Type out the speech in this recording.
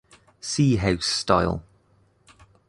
See house style.